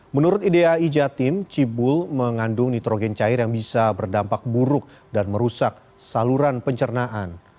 menurut idai jatim cibul mengandung nitrogen cair yang bisa berdampak buruk dan merusak saluran pencernaan